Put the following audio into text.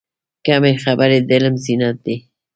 کمې خبرې، د علم زینت دی.